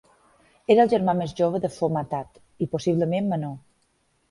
Era el germà més jove de Phommathat, i possiblement menor.